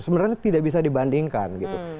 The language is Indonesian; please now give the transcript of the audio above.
sebenarnya tidak bisa dibandingkan gitu